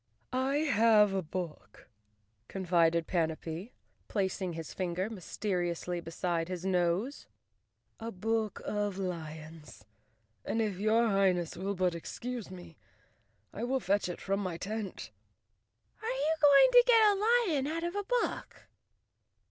"I have a book," confided Panapee, placing his fin¬ ger mysteriously beside his nose, "a book of lions, and if your Highness will but excuse me I will fetch it from my tent." "Are you going to get a lion out of a book?"